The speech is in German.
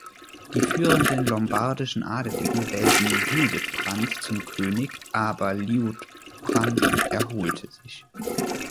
Die führenden lombardischen Adeligen wählten Hildeprand zum König, aber Liutprand erholte sich.